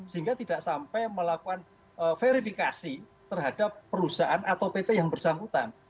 sehingga tidak sampai melakukan verifikasi terhadap perusahaan atau pt yang bersangkutan